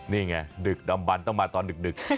นี่ไงดึกดำบันต้องมาตอนดึก